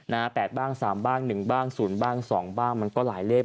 นะแปดบ้างสามบ้างหนึ่งบ้างศูนย์บ้างสองบ้างมันก็หลายเลข